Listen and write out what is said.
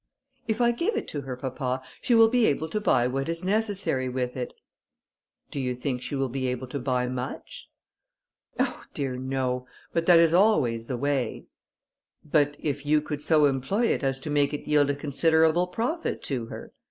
"If I give it to her, papa, she will be able to buy what is necessary with it." "Do you think she will be able to buy much?" "Oh! dear, no; but that is always the way." "But if you could so employ it as to make it yield a considerable profit to her?